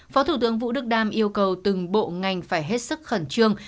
phó thủ tướng vũ đức đam yêu cầu từng bộ ngành phải hết sức khẩn trương